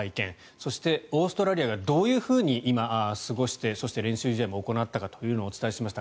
そして、オーストラリアがどういうふうに今、過ごしてそして練習試合を行っているのかというのもお伝えしました。